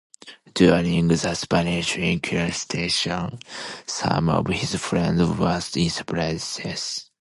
During the Spanish Inquisition, some of his friends were imprisoned.